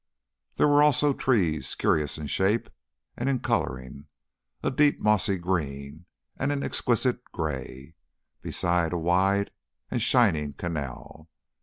There were also trees curious in shape, and in colouring, a deep mossy green and an exquisite grey, beside a wide and shining canal.